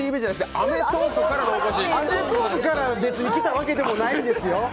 「アメトーーク」から別に来たわけでもないんですよ。